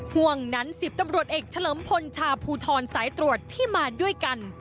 ห่วงนั้น๑๐ตำรวจเอกเฉลิมพลชาภูทรสายตรวจที่มาด้วยกัน